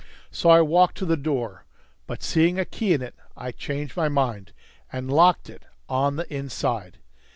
So I walked to the door, but, seeing a key in it, I changed my mind, and locked it on the inside.